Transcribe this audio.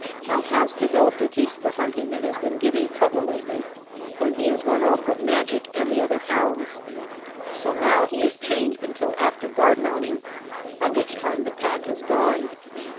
Hal has developed a taste for hunting that has been giving trouble lately, when he has run off with Magic and the other hounds. So now he is chained until after guard mounting, by which time the pack has gone.